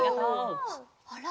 あら？